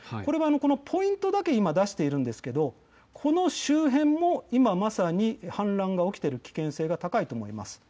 今ポイントだけ出しているんですがこの周辺も今まさに氾濫が起きている可能性が高いと思います。